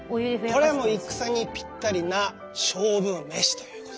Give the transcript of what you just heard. これは戦にぴったりな勝負飯ということだ。